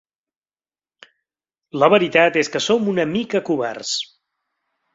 La veritat és que som una mica covards.